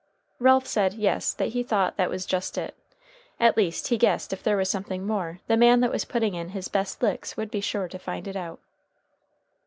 Ralph said yes, that he thought that was just it. At least, he guessed if there was something more, the man that was putting in his best licks would be sure to find it out.